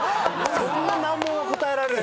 そんな難問は答えられる。